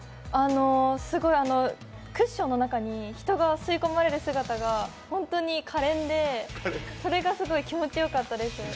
クッションの中に人が吸い込まれる姿が本当にかれんで、それがすごい気持ちよかったです。